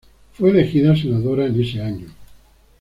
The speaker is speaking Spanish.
Fue elegida senadora en ese año.